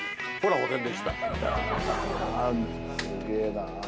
すげぇな。